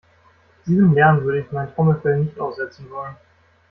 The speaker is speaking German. Diesem Lärm würde ich mein Trommelfell nicht aussetzen wollen.